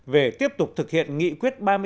về tiếp tục thực hiện nghị quyết ba mươi sáu